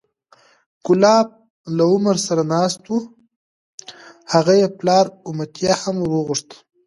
کلاب له عمر سره ناست و هغه یې پلار امیة هم وورغوښت،